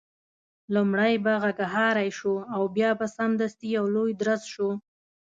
لومړی به غږهارۍ شو او بیا به سمدستي یو لوی درز شو.